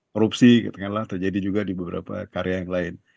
korupsi katakanlah terjadi juga di beberapa karya yang lain